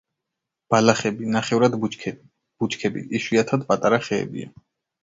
ბალახები, ნახევრად ბუჩქები, ბუჩქები, იშვიათად პატარა ხეებია.